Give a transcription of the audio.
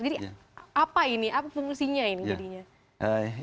jadi apa ini apa fungsinya ini jadinya